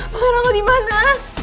pangeran lu dimana